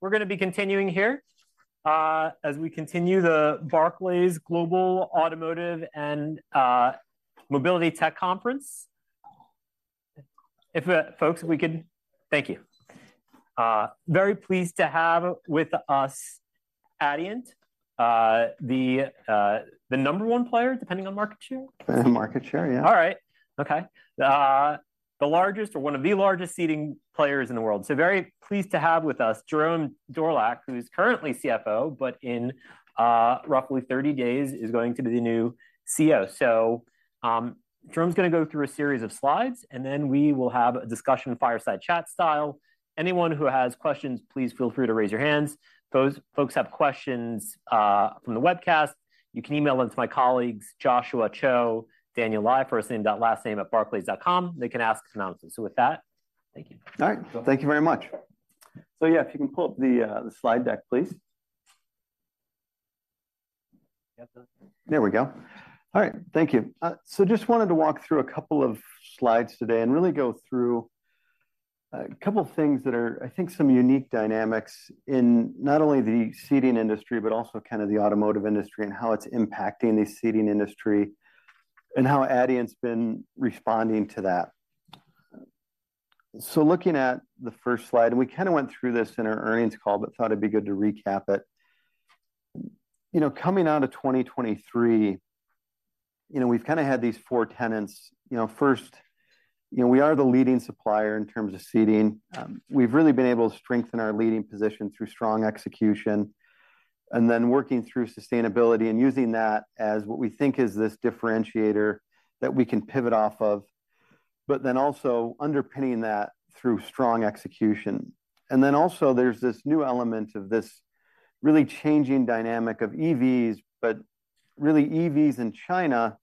We're gonna be continuing here, as we continue the Barclays Global Automotive and Mobility Tech Conference. Thank you. Very pleased to have with us Adient the number one player, depending on market share? Market share, yeah. All right. Okay. The largest or one of the largest seating players in the world. So very pleased to have with us Jerome Dorlack, who's currently CFO, but in roughly 30 days, is going to be the new CEO. Jerome's gonna go through a series of slides, and then we will have a discussion fireside chat style. Anyone who has questions, please feel free to raise your hands. Those folks have questions from the webcast, you can email them to my colleagues, Joshua Cho, Daniel Lai, first name.last name@barclays.com. They can ask announcements. So with that, thank you. All right. Thank you very much. So yeah, if you can pull up the slide deck, please. Got this. There we go. All right. Thank you. So just wanted to walk through a couple of slides today and really go through a couple of things that are, I think, some unique dynamics in not only the seating industry, but also kind of the automotive industry and how it's impacting the seating industry, and how Adient's been responding to that. So looking at the first slide, and we kind of went through this in our earnings call, but thought it'd be good to recap it. Coming out of 2023 we've kind of had these four tenets. You know, first, you know, we are the leading supplier in terms of seating. We've really been able to strengthen our leading position through strong execution, and then working through sustainability and using that as what we think is this differentiator that we can pivot off of, but then also underpinning that through strong execution. And then also, there's this new element of this really changing dynamic of EVs, but really EVs in China,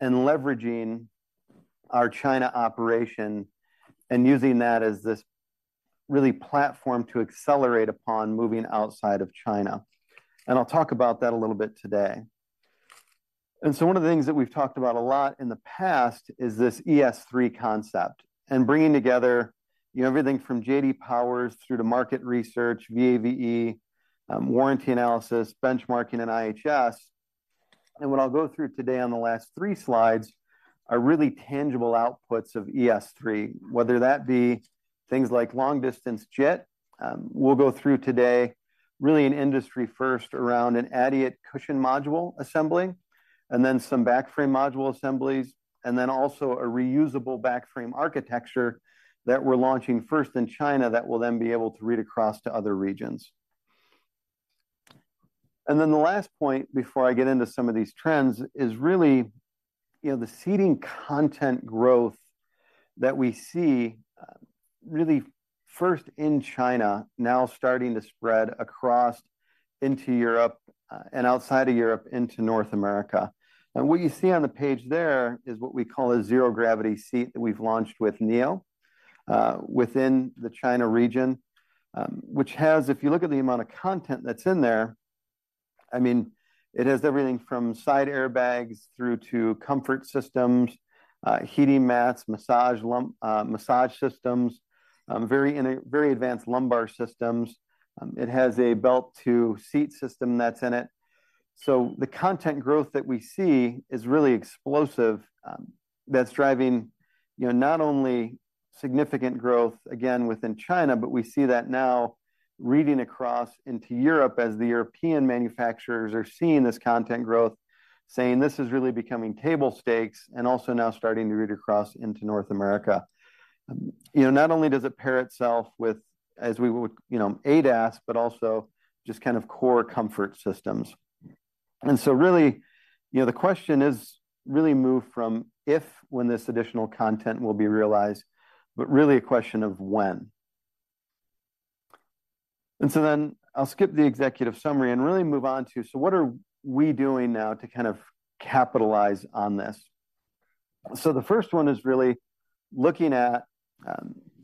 and leveraging our China operation and using that as this really platform to accelerate upon moving outside of China. I'll talk about that a little bit today. One of the things that we've talked about a lot in the past is this ES3 concept, and bringing together everything from J.D. Power through to market research, VAVE, warranty analysis, benchmarking, and IHS. What I'll go through today on the last three slides are really tangible outputs of ES3, whether that be things like long-distance JIT. We'll go through today, really an industry first around an Adient cushion module assembly, and then some backframe module assemblies, and then also a reusable backframe architecture that we're launching first in China that we'll then be able to read across to other regions. Then the last point before I get into some of these trends is really, you know, the seating content growth that we see, really first in China, now starting to spread across into Europe and outside of Europe into North America. What you see on the page there is what we call a Zero-gravity seat that we've launched with NIO within the China region, which has, if you look at the amount of content that's in there, I mean, it has everything from side airbags through to comfort systems, heating mats, massage systems, very advanced lumbar systems. It has a belt to seat system that's in it. So the content growth that we see is really explosive, that's driving, you know, not only significant growth again, within China, but we see that now reading across into Europe as the European manufacturers are seeing this content growth, saying, "This is really becoming table stakes," and also now starting to read across into North America. You know, not only does it pair itself with, as we would, you know, ADAS, but also just kind of core comfort systems. So really, you know, the question is really moved from if, when this additional content will be realized, but really a question of when. Then I'll skip the executive summary and really move on to: so what are we doing now to kind of capitalize on this? So the first one is really looking at,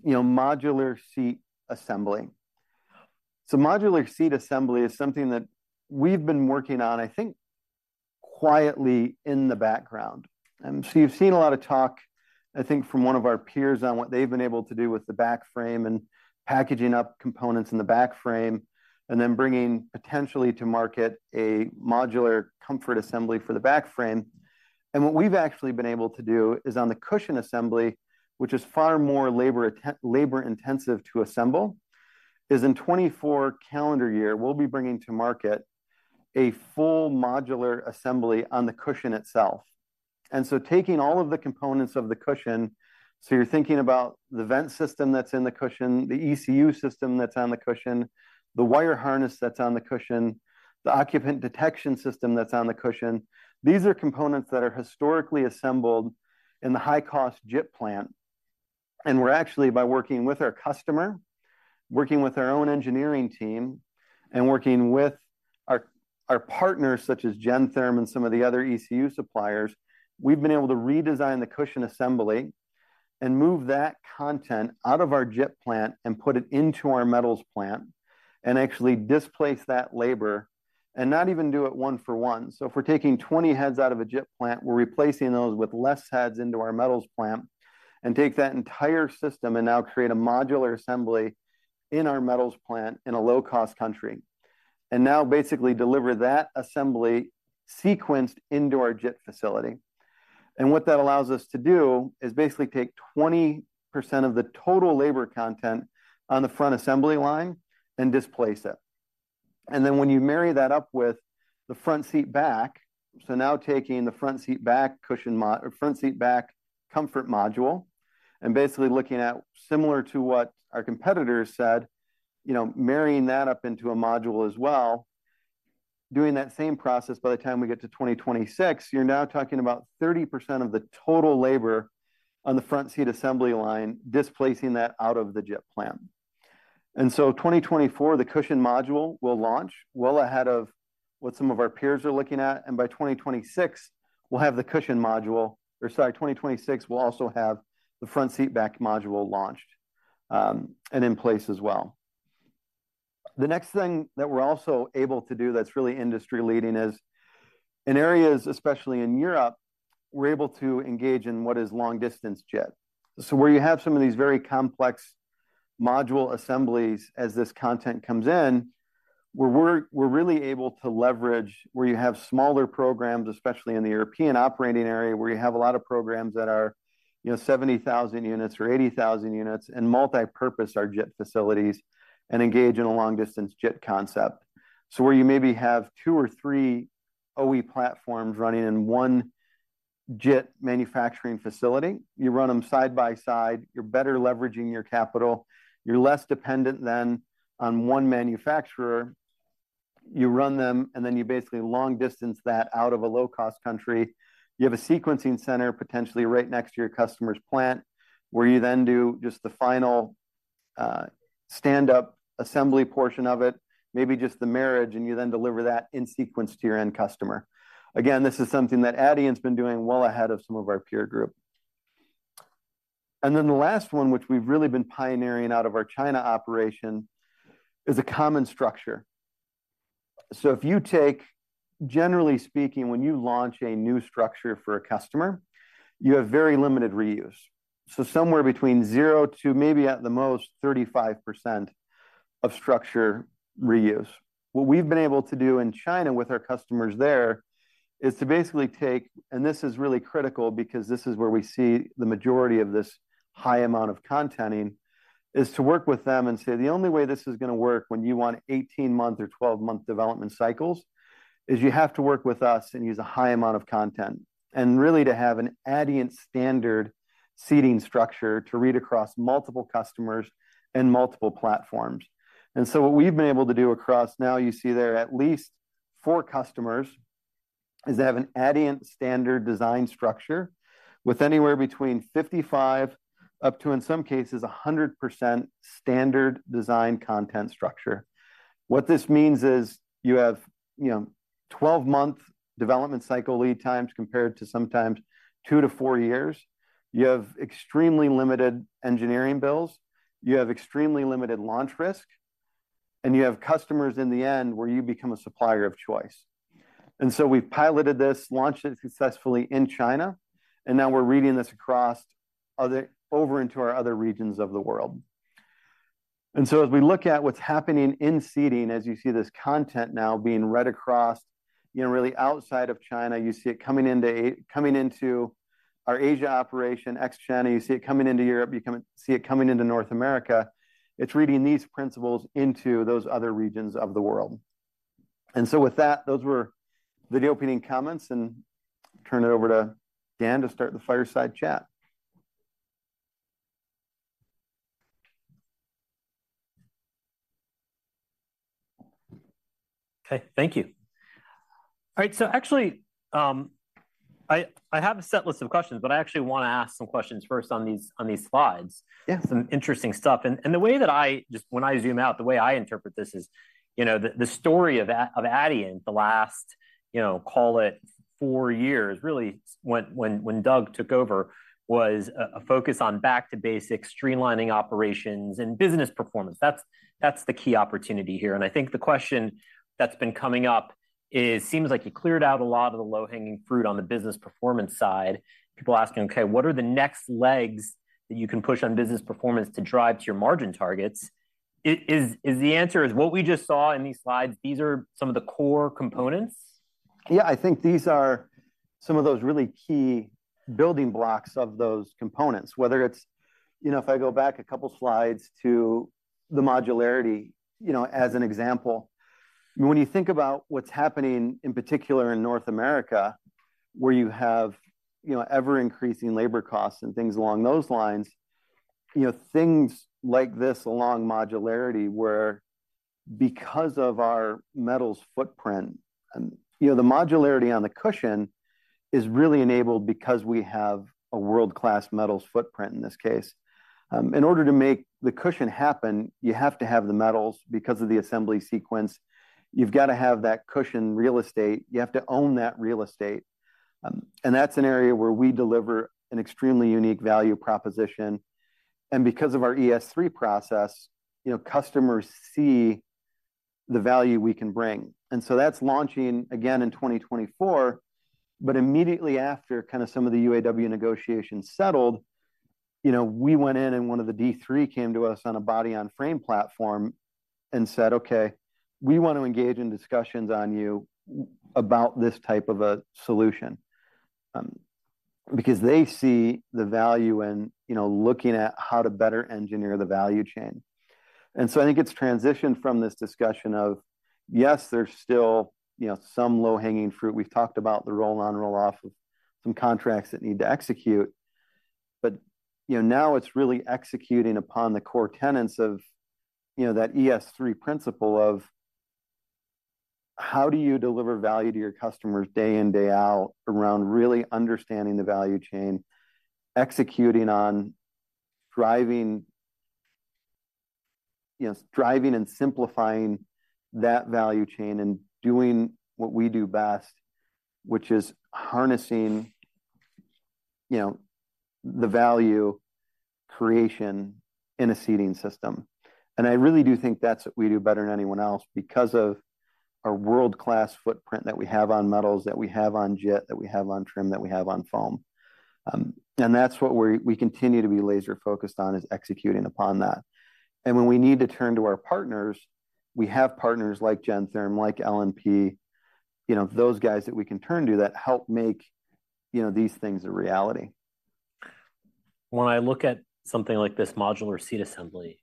you know, modular seat assembly. So modular seat assembly is something that we've been working on, I think, quietly in the background. And so you've seen a lot of talk, I think, from one of our peers on what they've been able to do with the backframe and packaging up components in the backframe, and then bringing potentially to market a modular comfort assembly for the backframe. What we've actually been able to do is on the cushion assembly, which is far more labor-intensive to assemble, is in 2024 calendar year, we'll be bringing to market a full modular assembly on the cushion itself. So taking all of the components of the cushion, so you're thinking about the vent system that's in the cushion, the ECU system that's on the cushion, the wire harness that's on the cushion, the occupant detection system that's on the cushion. These are components that are historically assembled in the high-cost JIT plant. We're actually, by working with our customer, working with our own engineering team, and working with our partners, such as Gentherm and some of the other ECU suppliers, we've been able to redesign the cushion assembly and move that content out of our JIT plant and put it into our metals plant, and actually displace that labor and not even do it one for one. If we're taking 20 heads out of a JIT plant, we're replacing those with less heads into our metals plant, and take that entire system and now create a modular assembly in our metals plant in a low-cost country, and now basically deliver that assembly sequenced into our JIT facility. What that allows us to do is basically take 20% of the total labor content on the front assembly line and displace it. Then when you marry that up with the front seat back, so now taking the front seat back cushion front seat back comfort module, and basically looking at similar to what our competitors said, you know, marrying that up into a module as well, doing that same process, by the time we get to 2026, you're now talking about 30% of the total labor on the front seat assembly line, displacing that out of the JIT plant. And so 2024, the cushion module will launch, well ahead of what some of our peers are looking at, and by 2026, we'll have the cushion module or sorry, 2026, we'll also have the front seat back module launched, and in place as well. The next thing that we're also able to do that's really industry-leading is, in areas, especially in Europe, we're able to engage in what is long-distance JIT. So where you have some of these very complex module assemblies as this content comes in, we're, we're really able to leverage where you have smaller programs, especially in the European operating area, where you have a lot of programs that are, you know, 70,000 units or 80,000 units, and multipurpose our JIT facilities and engage in a long-distance JIT concept. So where you maybe have two or three OE platforms running in one JIT manufacturing facility, you run them side by side, you're better leveraging your capital, you're less dependent then on one manufacturer. You run them, and then you basically long distance that out of a low-cost country. You have a sequencing center potentially right next to your customer's plant, where you then do just the final, stand-up assembly portion of it, maybe just the marriage, and you then deliver that in sequence to your end customer. Again, this is something that Adient's been doing well ahead of some of our peer group. Then the last one, which we've really been pioneering out of our China operation, is a common structure. So if you take, generally speaking, when you launch a new structure for a customer, you have very limited reuse. So somewhere between zero to maybe, at the most, 35% of structure reuse. What we've been able to do in China with our customers there is to basically take and this is really critical because this is where we see the majority of this high amount of content in, is to work with them and say: "The only way this is going to work when you want 18-month or 12-month development cycles, is you have to work with us and use a high amount of content, and really to have an Adient standard seating structure to read across multiple customers and multiple platforms." And so what we've been able to do across, now you see there are at least four customers, is they have an Adient standard design structure with anywhere between 55 up to, in some cases, 100% standard design content structure. What this means is you have, you know, 12-month development cycle lead times compared to sometimes two to four years. You have extremely limited engineering bills, you have extremely limited launch risk, and you have customers in the end where you become a supplier of choice. We've piloted this, launched it successfully in China, and now we're rolling this across other over into our other regions of the world. And so as we look at what's happening in seating, as you see this content now being rolled across, you know, really outside of China, you see it coming into our Asia operation, ex-China, you see it coming into Europe, you see it coming into North America. It's rolling these principles into those other regions of the world. With that, those were the opening comments, and turn it over to Dan to start the fireside chat. Thank you. All right, so actually, I have a set list of questions, but I actually want to ask some questions first on these, on these slides. Yeah. Some interesting stuff. And the way that I just when I zoom out, the way I interpret this is, you know, the story of Adient, the last, you know, call it four years, really, when Doug took over, was a focus on back to basics, streamlining operations and business performance. That's the key opportunity here. And I think the question that's been coming up is: seems like you cleared out a lot of the low-hanging fruit on the business performance side. People are asking, "Okay, what are the next legs that you can push on business performance to drive to your margin targets?" Is the answer what we just saw in these slides, these are some of the core components? Yeah, I think these are some of those really key building blocks of those components, if I go back a couple slides to the modularity, you know, as an example, when you think about what's happening, in particular in North America, where you have, you know, ever-increasing labor costs and things along those lines, you know, things like this, along modularity, where because of our metals footprint, and, you know, the modularity on the cushion is really enabled because we have a world-class metals footprint in this case. In order to make the cushion happen, you have to have the metals because of the assembly sequence. You've got to have that cushion real estate. You have to own that real estate. And that's an area where we deliver an extremely unique value proposition. Because of our ES3 process, you know, customers see the value we can bring. That's launching again in 2024. But immediately after kind of some of the UAW negotiations settled, you know, we went in, and one of the D3 came to us on a body-on-frame platform and said, "Okay, we want to engage in discussions on you about this type of a solution." Because they see the value in, you know, looking at how to better engineer the value chain. And so I think it's transitioned from this discussion of, yes, there's still, you know, some low-hanging fruit. We've talked about the roll-on/roll-off of some contracts that need to execute. Now it's really executing upon the core tenets of, you know, that ES3 principle of how do you deliver value to your customers day in, day out, around really understanding the value chain, executing on driving, you know, and simplifying that value chain, and doing what we do best, which is harnessing, you know, the value creation in a seating system. And I really do think that's what we do better than anyone else, because of our world-class footprint that we have on metals, that we have on JIT, that we have on trim, that we have on foam. And that's what we continue to be laser-focused on, is executing upon that. When we need to turn to our partners, we have partners like Gentherm, like L&P, you know, those guys that we can turn to that help make, you know, these things a reality. When I look at something like this modular seat assembly,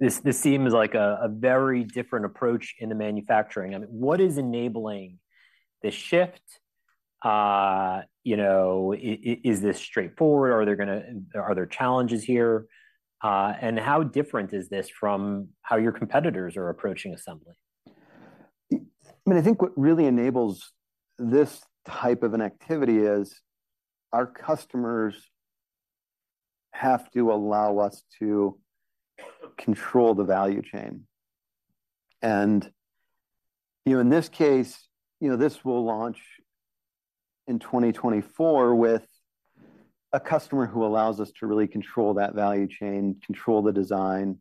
this seems like a very different approach in the manufacturing. I mean, what is enabling the shift? You know, is this straightforward, or are there challenges here? And how different is this from how your competitors are approaching assembly? I mean, I think what really enables this type of an activity is our customers have to allow us to control the value chain. In this case, you know, this will launch in 2024 with a customer who allows us to really control that value chain, control the design,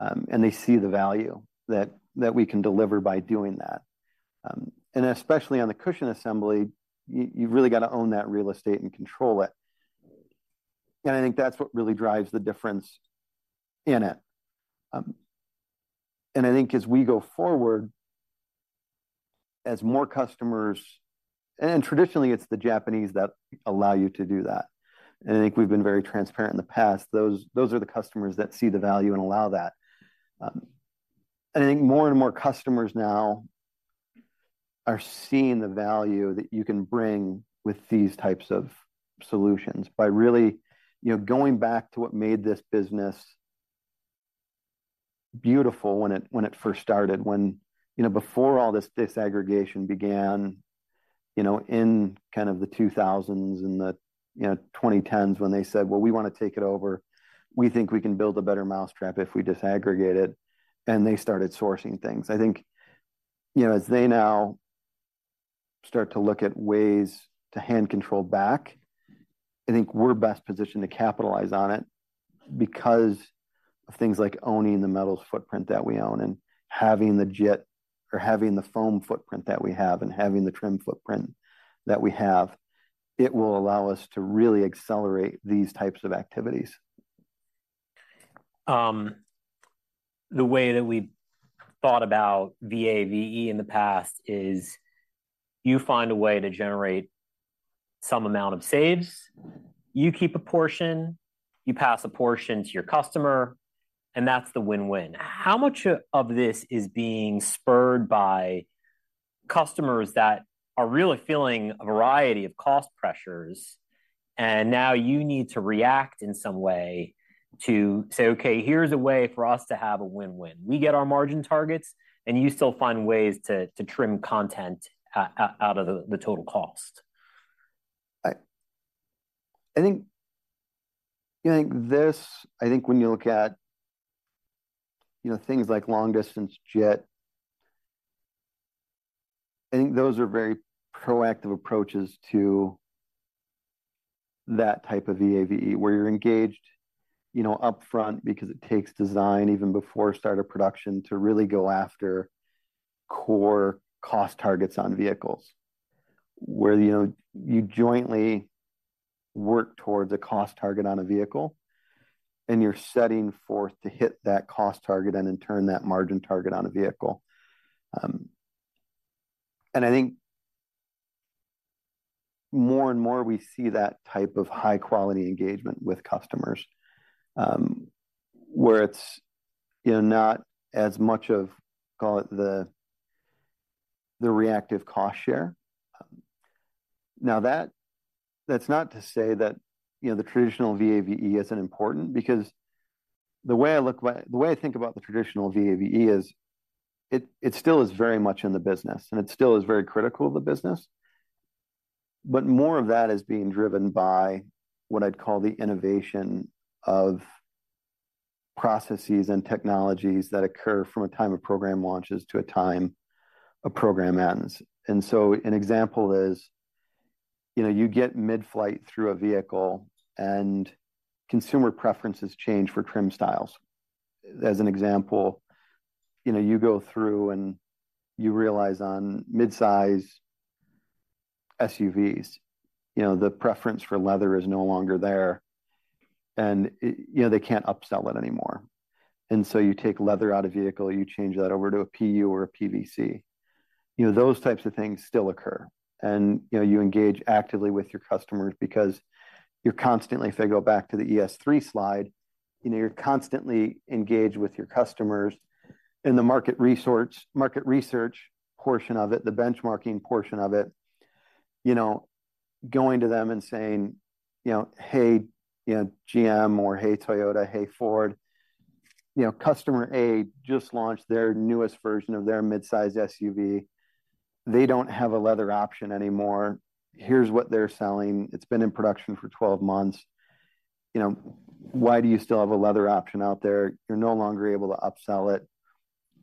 and they see the value that we can deliver by doing that. And especially on the cushion assembly, you've really got to own that real estate and control it. And I think that's what really drives the difference in it. And I think as we go forward, as more customers and traditionally, it's the Japanese that allow you to do that. And I think we've been very transparent in the past, those are the customers that see the value and allow that. I think more and more customers now are seeing the value that you can bring with these types of solutions by really, you know, going back to what made this business beautiful when it first started, when you know, before all this disaggregation began, you know, in kind of the 2000s and the, you know, 2010s, when they said, "Well, we want to take it over. We think we can build a better mousetrap if we disaggregate it," and they started sourcing things. I think, you know, as they now start to look at ways to hand control back, I think we're best positioned to capitalize on it because of things like owning the metals footprint that we own and having the JIT, or having the foam footprint that we have and having the trim footprint that we have, it will allow us to really accelerate these types of activities. The way that we thought about VAVE in the past is you find a way to generate some amount of saves, you keep a portion, you pass a portion to your customer, and that's the win-win. How much of this is being spurred by customers that are really feeling a variety of cost pressures, and now you need to react in some way to say, "Okay, here's a way for us to have a win-win." We get our margin targets, and you still find ways to trim content out of the total cost. I think when you look at, you know, things like long-distance JIT, I think those are very proactive approaches to that type of VAVE, where you're engaged, you know, up front because it takes design, even before start of production, to really go after core cost targets on vehicles. Where, you know, you jointly work towards a cost target on a vehicle, and you're setting forth to hit that cost target and in turn, that margin target on a vehicle. And I think more and more, we see that type of high-quality engagement with customers, where it's, you know, not as much of the reactive cost share. Now, that's not to say that, you know, the traditional VAVE isn't important, because the way I think about the traditional VAVE is it, it still is very much in the business, and it still is very critical of the business. But more of that is being driven by what I'd call the innovation of processes and technologies that occur from a time a program launches to a time a program ends. And so an example is, you know, you get mid-flight through a vehicle, and consumer preferences change for trim styles. As an example, you know, you go through and you realize on mid-size SUVs, you know, the preference for leather is no longer there, and, you know, they can't upsell it anymore. And so you take leather out of vehicle, you change that over to a PU or a PVC. You know, those types of things still occur. You know, you engage actively with your customers because you're constantly. If I go back to the ES3 slide, you know, you're constantly engaged with your customers in the market resorts, market research portion of it, the benchmarking portion of it. You know, going to them and saying, you know, "Hey, you know, GM," or, "Hey, Toyota," "Hey, Ford, you know, customer A just launched their newest version of their mid-size SUV. They don't have a leather option anymore. Here's what they're selling. It's been in production for 12 months. You know, why do you still have a leather option out there? You're no longer able to upsell it.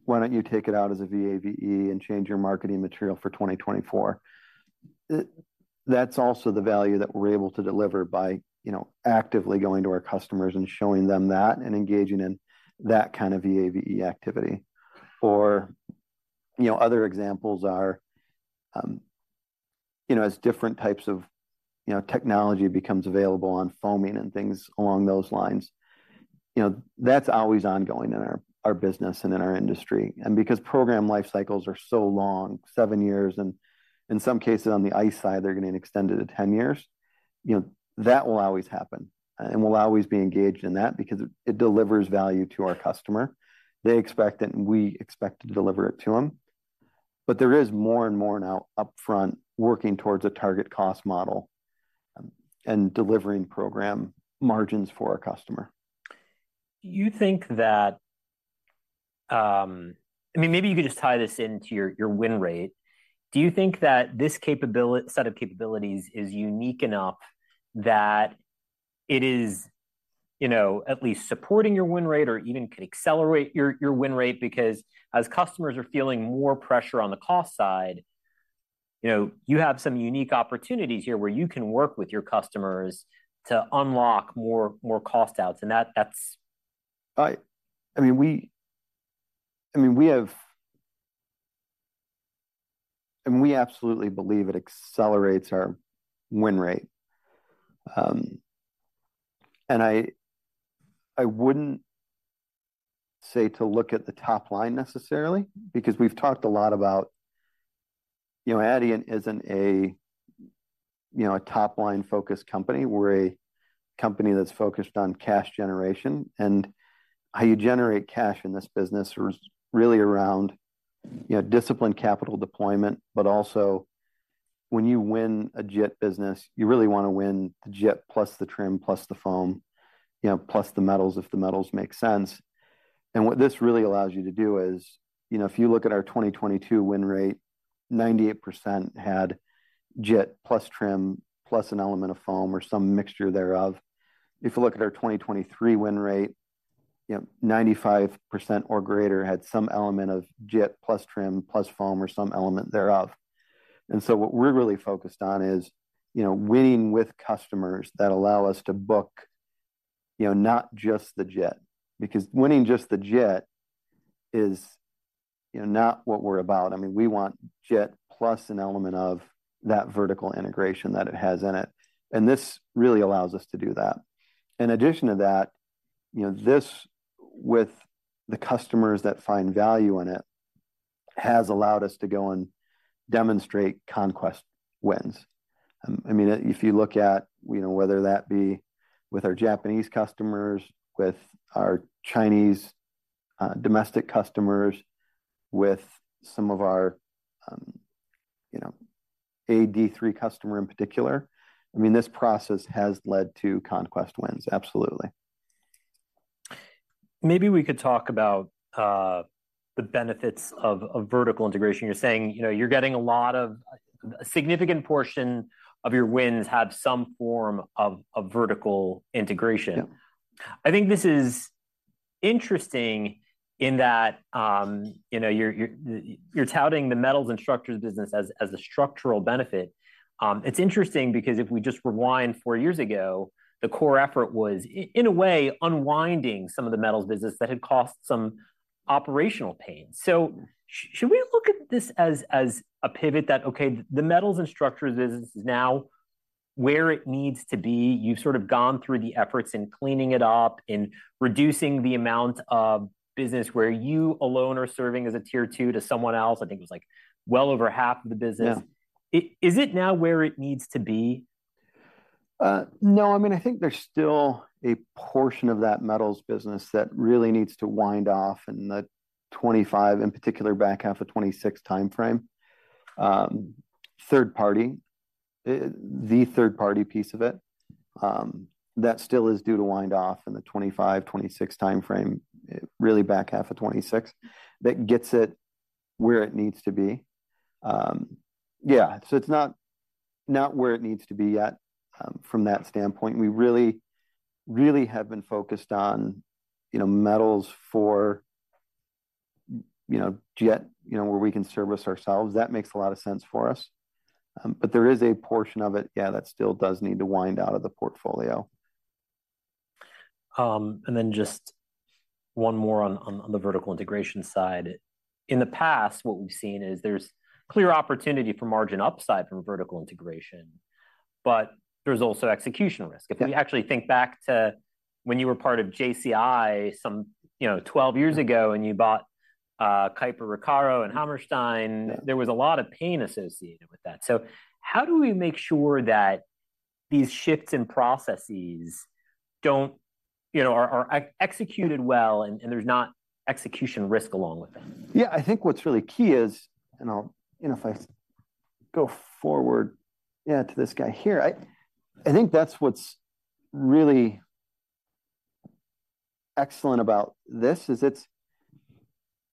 Why don't you take it out as a VAVE and change your marketing material for 2024?" That's also the value that we're able to deliver by, you know, actively going to our customers and showing them that, and engaging in that kind of VAVE activity. Or, you know, other examples are, you know, as different types of technology becomes available on foaming and things along those lines, you know, that's always ongoing in our business and in our industry. And because program life cycles are so long, seven years, and in some cases on the ICE side, they're getting extended to 10 years, you know, that will always happen. And we'll always be engaged in that because it, it delivers value to our customer. They expect it, and we expect to deliver it to them. But there is more and more now upfront, working towards a target cost model, and delivering program margins for our customer. Do you think that, I mean, maybe you could just tie this into your, your win rate. Do you think that this set of capabilities is unique enough that it is, you know, at least supporting your win rate or even could accelerate your win rate? Because as customers are feeling more pressure on the cost side, you know, you have some unique opportunities here where you can work with your customers to unlock more, more cost outs, and that's- I mean, we absolutely believe it accelerates our win rate. And I wouldn't say to look at the top line necessarily, because we've talked a lot about, you know, Adient isn't a top-line-focused company. We're a company that's focused on cash generation, and how you generate cash in this business is really around, you know, disciplined capital deployment, but also, when you win a JIT business, you really want to win the JIT, plus the trim, plus the foam, you know, plus the metals, if the metals make sense. And what this really allows you to do is, you know, if you look at our 2022 win rate, 98% had JIT, plus trim, plus an element of foam or some mixture thereof. If you look at our 2023 win rate, you know, 95% or greater had some element of JIT, plus trim, plus foam or some element thereof. So what we're really focused on is, you know, winning with customers that allow us to book, you know, not just the JIT. Because winning just the JIT is, you know, not what we're about. I mean, we want JIT plus an element of that vertical integration that it has in it, and this really allows us to do that. In addition to that, you know, this, with the customers that find value in it, has allowed us to go and demonstrate conquest wins. I mean, if you look at whether that be with our Japanese customers, with our Chinese domestic customers, with some of our D3 customer in particular, I mean, this process has led to conquest wins, absolutely. Maybe we could talk about the benefits of vertical integration. You're saying you're getting a lot of a significant portion of your wins have some form of vertical integration. Yeah. I think this is interesting in that, you know, you're touting the metals and structures business as a structural benefit. It's interesting because if we just rewind four years ago, the core effort was in a way, unwinding some of the metals business that had caused some operational pain. So should we look at this as a pivot that, okay, the metals and structures business is now where it needs to be? You've gone through the efforts in cleaning it up, in reducing the amount of business where you alone are serving as a tier two to someone else. I think it was, like, well over half of the business. Yeah. Is it now where it needs to be? No. I mean, I think there's still a portion of that metals business that really needs to wind off in the 2025, in particular, back half of 2026 timeframe. Third party, the third-party piece of it, that still is due to wind off in the 2025, 2026 timeframe, really back half of 2026. That gets it where it needs to be. Yeah, so it's not- not where it needs to be yet, from that standpoint. We really, really have been focused on, you know, metals for, you know, JIT, you know, where we can service ourselves. That makes a lot of sense for us. But there is a portion of it, yeah, that still does need to wind out of the portfolio. And then just one more on the vertical integration side. In the past, what we've seen is there's clear opportunity for margin upside from vertical integration, but there's also execution risk. Yeah. If you actually think back to when you were part of JCI some, you know, 12 years ago, and you bought Keiper, Recaro, and Hammerstein. Yeah. There was a lot of pain associated with that. So how do we make sure that these shifts in processes don't, you know, are executed well, and there's not execution risk along with it? Yeah, I think what's really key is, and I'll, you know, if I go forward, yeah, to this guy here, I think that's what's really excellent about this, is it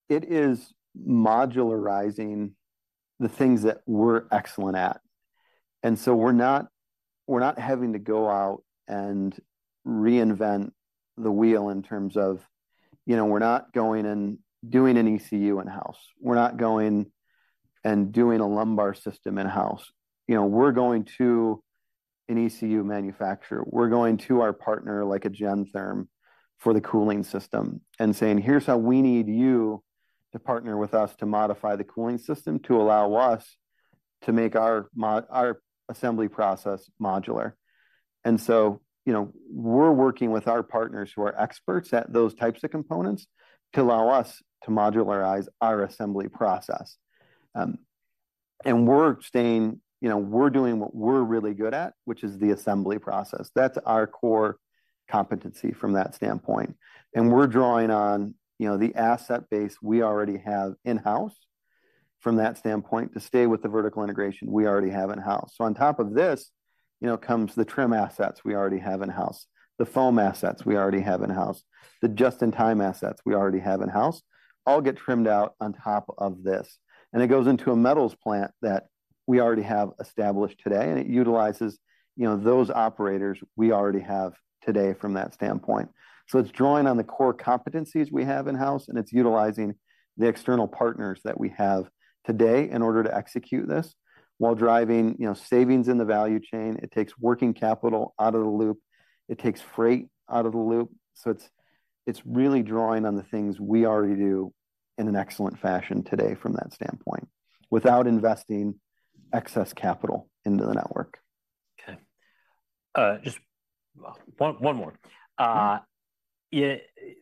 is modularizing the things that we're excellent at. And so we're not having to go out and reinvent the wheel in terms of, you know, we're not going and doing an ECU in-house. We're not going and doing a lumbar system in-house. You know, we're going to an ECU manufacturer. We're going to our partner, like a Gentherm, for the cooling system, and saying: "Here's how we need you to partner with us to modify the cooling system, to allow us to make our assembly process modular." And so, you know, we're working with our partners who are experts at those types of components to allow us to modularize our assembly process. We're staying, you know, we're doing what we're really good at, which is the assembly process. That's our core competency from that standpoint. We're drawing on, you know, the asset base we already have in-house from that standpoint, to stay with the vertical integration we already have in-house. So on top of this, you know, comes the trim assets we already have in-house, the foam assets we already have in-house, the just-in-time assets we already have in-house, all get trimmed out on top of this. And it goes into a metals plant that we already have established today, and it utilizes, you know, those operators we already have today from that standpoint. So it's drawing on the core competencies we have in-house, and it's utilizing the external partners that we have today in order to execute this, while driving, you know, savings in the value chain. It takes working capital out of the loop. It takes freight out of the loop. It's really drawing on the things we already do in an excellent fashion today from that standpoint, without investing excess capital into the network. Okay. Just one more.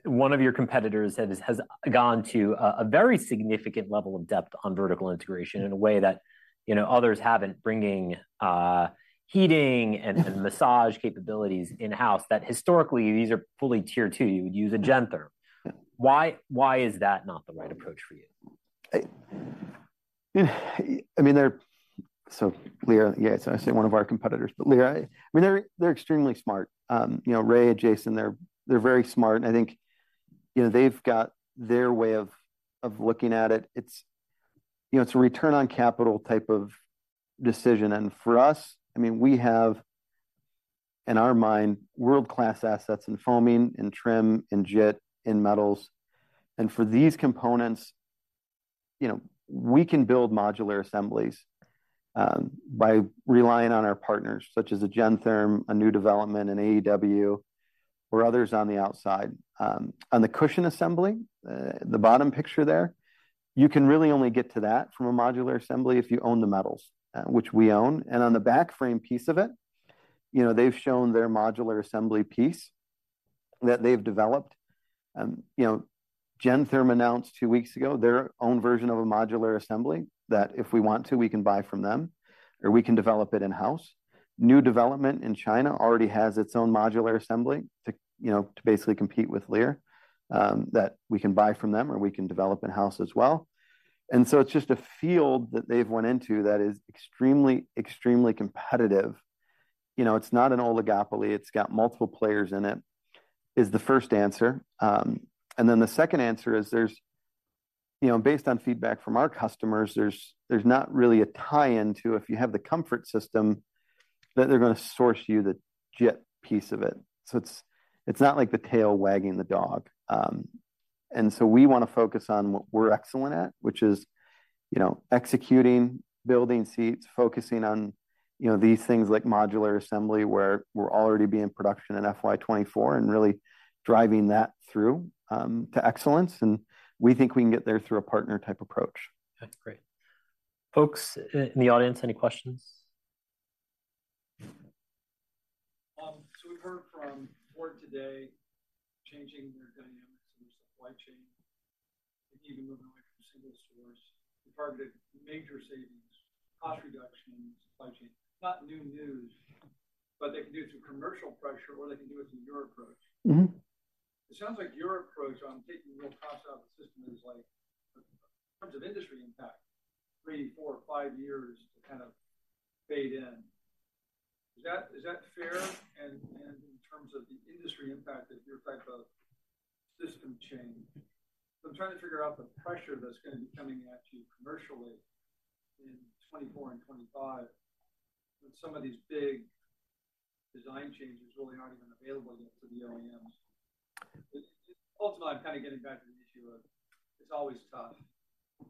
One of your competitors has gone to a very significant level of depth on vertical integration in a way that, you know, others haven't, bringing heating and massage capabilities in-house, that historically, these are fully tier two. You would use a Gentherm. Yeah. Why is that not the right approach for you? Lear, yeah, it's obviously one of our competitors, but Lear, I mean, they're extremely smart. You know, Ray and Jason, they're very smart, and I think, you know, they've got their way of looking at it. It's a return on capital type of decision. And for us, I mean, we have, in our mind, world-class assets in foaming, in trim, in JIT, in metals. And for these components, you know, we can build modular assemblies by relying on our partners, such as Gentherm, a New Development, an AEW, or others on the outside. On the cushion assembly, the bottom picture there, you can really only get to that from a modular assembly if you own the metals, which we own. On the back frame piece of it, you know, they've shown their modular assembly piece that they've developed. You know, Gentherm announced two weeks ago their own version of a modular assembly, that if we want to, we can buy from them, or we can develop it in-house. New development in China already has its own modular assembly to, you know, to basically compete with Lear, that we can buy from them, or we can develop in-house as well. And so it's just a field that they've went into that is extremely, extremely competitive. You know, it's not an oligopoly. It's got multiple players in it, is the first answer. And then the second answer is, based on feedback from our customers, there's not really a tie-in to if you have the comfort system, that they're gonna source you the JIT piece of it. So it's, it's not like the tail wagging the dog. And so we wanna focus on what we're excellent at, which is, you know, executing, building seats, focusing on, you know, these things like modular assembly, where we'll already be in production in FY 2024, and really driving that through to excellence, and we think we can get there through a partner-type approach. Okay, great. Folks in the audience, any questions? We've heard from Ford today, changing their dynamics in their supply chain, and even moving away from single source. They targeted major savings, cost reductions, supply chain. Not new news, but they can do it through commercial pressure, or they can do it through your approach. It sounds like your approach on taking more costs out of the system is like, in terms of industry impact, three, four, five years to kind of fade in. Is that fair? In terms of the industry impact of your type of system change. So I'm trying to figure out the pressure that's gonna be coming at you commercially in 2024 and 2025, when some of these big design changes really aren't even available yet to the OEMs. Ultimately, I'm kind of getting back to the issue of it's always tough,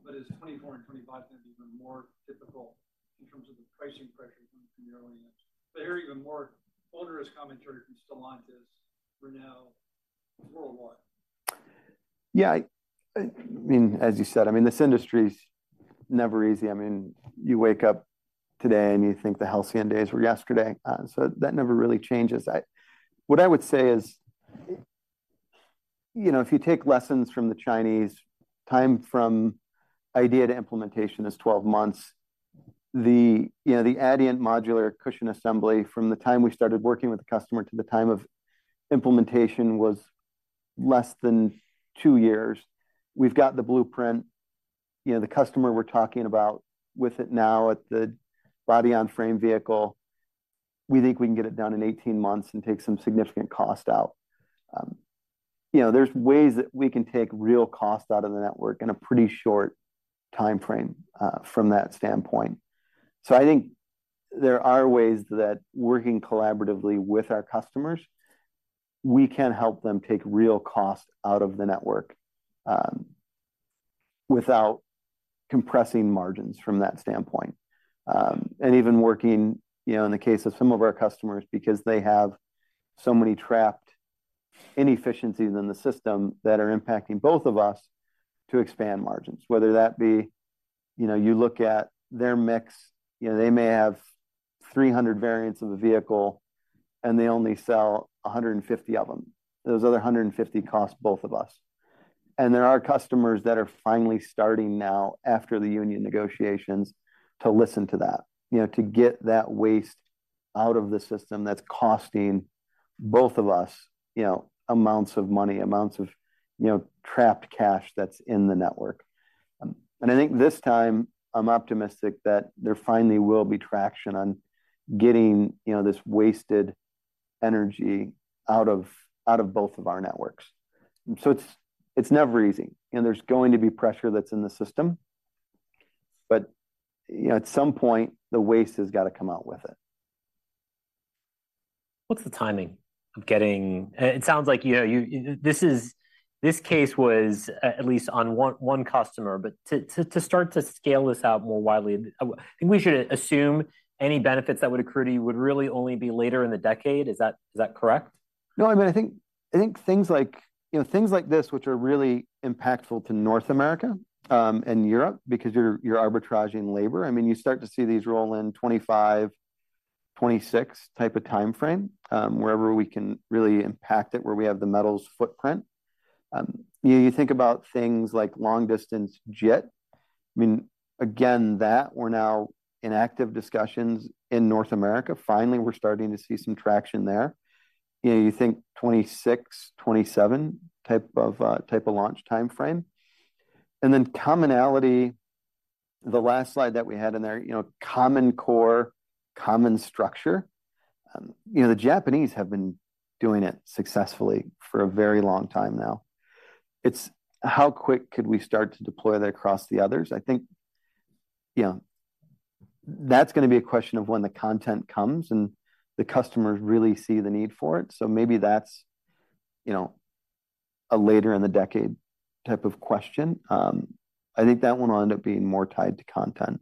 but is 2024 and 2025 going to be even more difficult in terms of the pricing pressure from, from the OEMs? But hear even more onerous commentary from Stellantis, Renault worldwide. Yeah, I mean, as you said, I mean, this industry's never easy. I mean, you wake up today, and you think the halcyon days were yesterday. So that never really changes. What I would say is, you know, if you take lessons from the Chinese, time from idea to implementation is 12 months. You know, the Adient modular cushion assembly, from the time we started working with the customer to the time of implementation, was less than two years. We've got the blueprint. You know, the customer we're talking about with it now at the body-on-frame vehicle, we think we can get it done in 18 months and take some significant cost out. You know, there's ways that we can take real cost out of the network in a pretty short timeframe, from that standpoint. So I think there are ways that working collaboratively with our customers, we can help them take real cost out of the network, without compressing margins from that standpoint. And even working, you know, in the case of some of our customers, because they have so many trapped inefficiencies in the system that are impacting both of us to expand margins, whether that be, you know, you look at their mix, you know, they may have 300 variants of the vehicle, and they only sell 150 of them. Those other 150 cost both of us. And there are customers that are finally starting now, after the union negotiations, to listen to that, you know, to get that waste out of the system that's costing both of us, you know, amounts of money, amounts of, you know, trapped cash that's in the network. I think this time, I'm optimistic that there finally will be traction on getting, you know, this wasted energy out of both of our networks. So it's never easy, and there's going to be pressure that's in the system. But, you know, at some point, the waste has got to come out with it. What's the timing of getting this case was, at least on one customer, but to start to scale this out more widely, think we should assume any benefits that would accrue to you would really only be later in the decade. Is that correct? No, I mean, I think, I think things like, you know, things like this, which are really impactful to North America, and Europe, because you're, you're arbitraging labor. I mean, you start to see these roll in 2025, 2026 type of timeframe, wherever we can really impact it, where we have the metals footprint. You know, you think about things like long-distance JIT. I mean, again, that we're now in active discussions in North America. Finally, we're starting to see some traction there. You know, you think 2026, 2027 type of, type of launch timeframe. And then commonality, the last slide that we had in there, you know, common core, common structure. You know, the Japanese have been doing it successfully for a very long time now. It's how quick could we start to deploy that across the others? I think, you know, that's gonna be a question of when the content comes and the customers really see the need for it. So maybe that's, you know, a later in the decade type of question. I think that one will end up being more tied to content.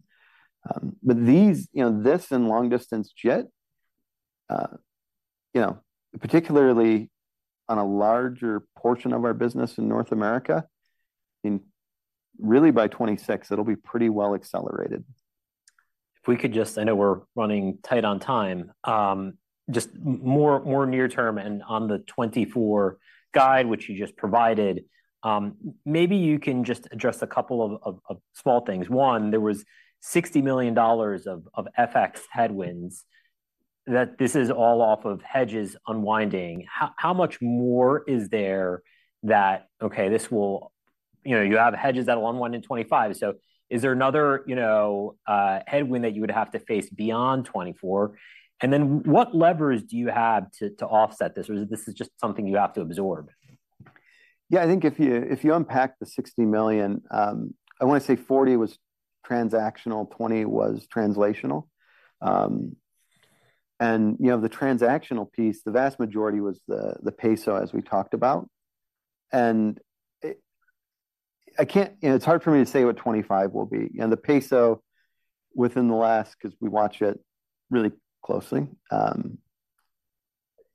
But these, you know, this and long-distance JIT, you know, particularly on a larger portion of our business in North America, I mean, really, by 2026, it'll be pretty well accelerated. If we could just anywhere running tight on time. Just more near term and on the 2024 guide, which you just provided, maybe you can just address a couple of small things. One, there was $60 million of FX headwinds, that this is all off of hedges unwinding. How much more is there that, okay, this will—you know, you have hedges that'll unwind in 2025, so is there another, you know, headwind that you have to face beyond 2024? And then what levers do you have to offset this, or this is just something you have to absorb? Yeah, I think if you, if you unpack the $60 million, I want to say $40 million was transactional, $20 million was translational. And, you know, the transactional piece, the vast majority was the, the peso, as we talked about. And it—I can't. You know, it's hard for me to say what 2025 will be. You know, the peso within the last, 'cause we watch it really closely,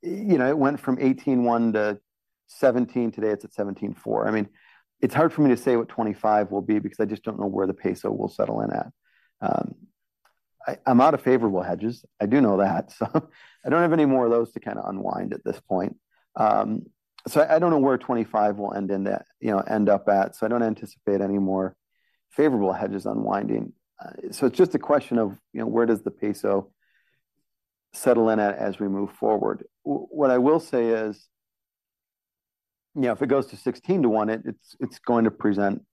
you know, it went from 18.1 to 17. Today, it's at 17.4. I mean, it's hard for me to say what 2025 will be because I just don't know where the peso will settle in at. I'm out of favorable hedges. I do know that. So I don't have any more of those to kind of unwind at this point. So, I don't know where 25 will end up at, so I don't anticipate any more favorable hedges unwinding. So it's just a question of, you know, where does the peso settle in at as we move forward? What I will say is yeah, if it goes to 16 to one, it's going to present,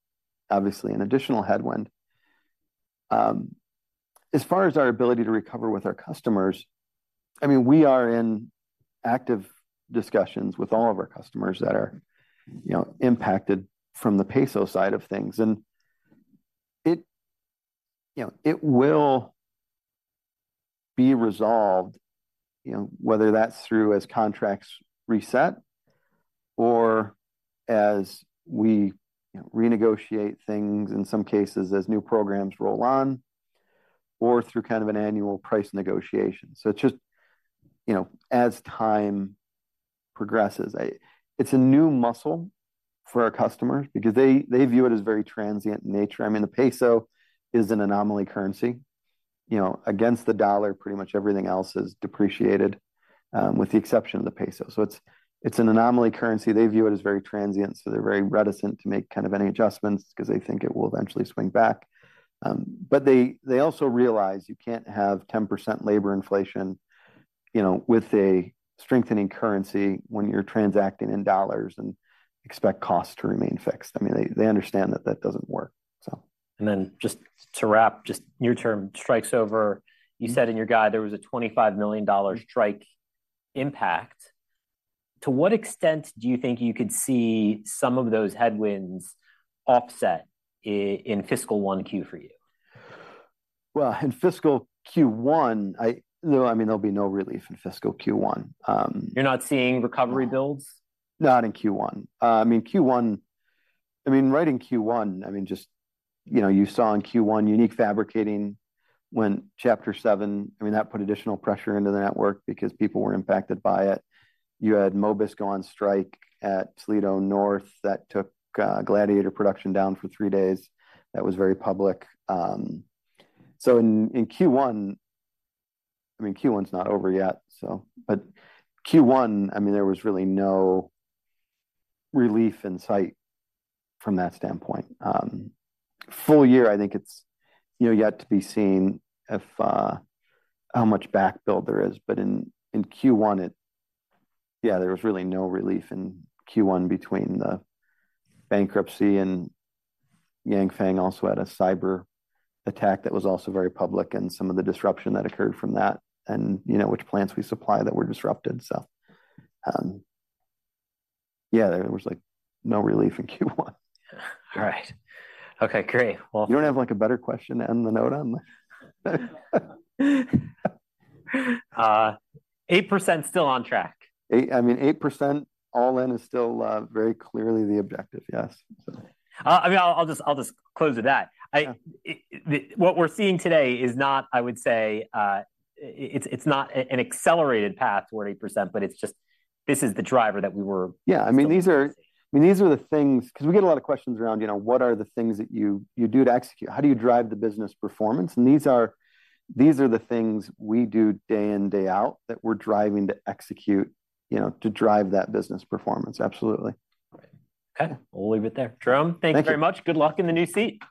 obviously, an additional headwind. As far as our ability to recover with our customers, I mean, we are in active discussions with all of our customers that are, you know, impacted from the peso side of things. And it you know, it will be resolved, you know, whether that's through as contracts reset or as we, you know, renegotiate things, in some cases, as new programs roll on, or through kind of an annual price negotiation. So just, you know, as time progresses. It's a new muscle for our customers because they, they view it as very transient in nature. I mean, the peso is an anomaly currency. You know, against the dollar, pretty much everything else is depreciated, with the exception of the peso. So it's, it's an anomaly currency. They view it as very transient, so they're very reticent to make kind of any adjustments because they think it will eventually swing back. But they, they also realize you can't have 10% labor inflation, you know, with a strengthening currency when you're transacting in dollars and expect costs to remain fixed. I mean, they, they understand that that doesn't work, so. Then just to wrap, just near-term strikes over, you said in your guide there was a $25 million strike impact. To what extent do you think you could see some of those headwinds offset in fiscal 1Q for you? Well, in fiscal Q1, no, I mean, there'll be no relief in fiscal Q1. You're not seeing recovery builds? Not in Q1. I mean, right in Q1, I mean, just... You know, you saw in Q1, Unique Fabricating went Chapter 7. I mean, that put additional pressure into the network because people were impacted by it. You had Mobis go on strike at Toledo North. That took Gladiator production down for three days. That was very public. So in Q1, I mean, Q1's not over yet, so... But Q1, I mean, there was really no relief in sight from that standpoint. Full year, I think it's, you know, yet to be seen if how much back build there is. But in Q1, it yeah, there was really no relief in Q1 between the bankruptcy and Yanfeng also had a cyber attack that was also very public, and some of the disruption that occurred from that, and, you know, which plants we supply that were disrupted. So, yeah, there was, like, no relief in Q1. All right. Okay, great. You don't have, like, a better question to end the note on? 8% still on track. I mean, 8% all-in is still very clearly the objective, yes, so. I mean, I'll just close with that. Yeah. What we're seeing today is not, I would say, an accelerated path toward 8%, but it's just this is the driver that we were. Yeah, I these are the things, because we get a lot of questions around, you know, what are the things that you, you do to execute? How do you drive the business performance? And these are, these are the things we do day in, day out, that we're driving to execute, you know, to drive that business performance. Absolutely. Right. Okay, we'll leave it there. Jerome. Thank you. Thank you very much. Good luck in the new seat.